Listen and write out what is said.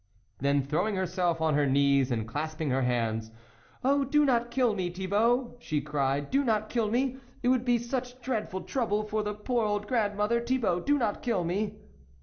Then throwing herself on her knees, and clasping her hands :" Oh do not kill me, Thibault !" she cried, " do not kill me ! it would be such dreadful trouble for the poor old grandmother ! Thibault, do not kill me